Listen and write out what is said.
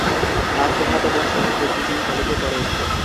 তার ফুফাতো বোন শহীদ বুদ্ধিজীবী কলেজে পড়ে।